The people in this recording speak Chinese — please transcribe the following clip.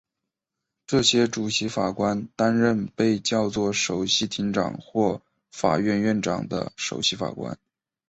这些主席法官担任被叫作首席庭长或法院院长的首席法官。